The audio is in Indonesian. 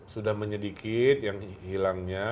sudah menyedikit yang hilangnya